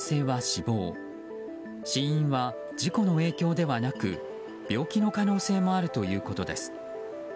死因は事故の影響ではなく病気の可能性もあるということです。